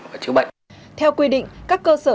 và chữa bệnh theo quy định các cơ sở